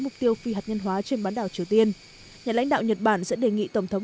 mục tiêu phi hạt nhân hóa trên bán đảo triều tiên nhà lãnh đạo nhật bản sẽ đề nghị tổng thống